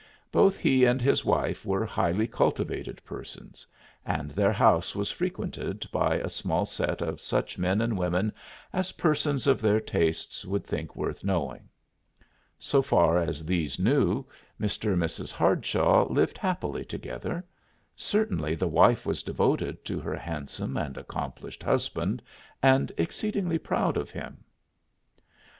Both he and his wife were highly cultivated persons, and their house was frequented by a small set of such men and women as persons of their tastes would think worth knowing. So far as these knew, Mr. and Mrs. Hardshaw lived happily together; certainly the wife was devoted to her handsome and accomplished husband and exceedingly proud of him.